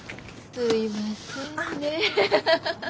すいません。